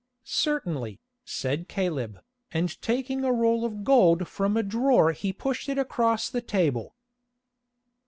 "Certainly," said Caleb, and taking a roll of gold from a drawer he pushed it across the table.